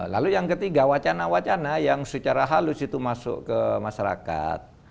lalu yang ketiga wacana wacana yang secara halus itu masuk ke masyarakat